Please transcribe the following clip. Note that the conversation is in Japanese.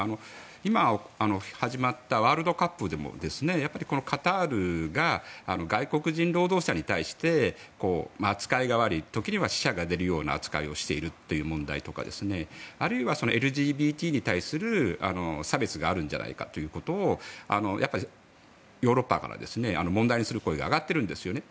今、始まったワールドカップでもカタールが外国人労働者に対して扱いが悪い時には死者が出るような扱いをしている時があってあるいはＬＧＢＴに対する差別があるんじゃないかということをやっぱりヨーロッパから問題にする声が上がっているんですよね。